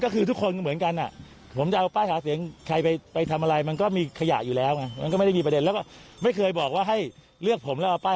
คุณชัดชาติบอกไม่เคยบอกนะคะว่าเลือกแล้วเก็บป้าย